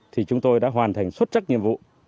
thì chúng tôi đã hoàn thành xuất sắc nhiệm vụ